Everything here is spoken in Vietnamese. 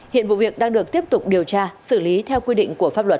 hiện vụ việc đang được tiếp tục điều tra xử lý theo quy định của pháp luật